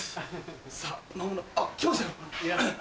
あっ来ましたよ。